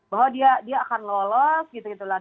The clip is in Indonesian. bahwa dia akan lolos gitu gitu lah